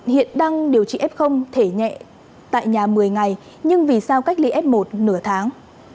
hiện đang điều trị f thể nhẹ tại nhà một mươi ngày nhưng vì sao cách ly f một nửa tháng